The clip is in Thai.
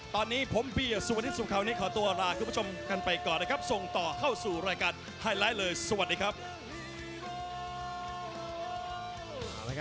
ตอนนี้ผมบีสุวัสดีสุวัสดีคราวนี้